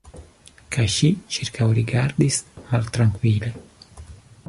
Kaj ŝi ĉirkaŭrigardadis maltrankvile.